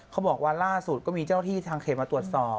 เขาบอกว่าล่าสุดก็มีเจ้าที่ทางเขตมาตรวจสอบ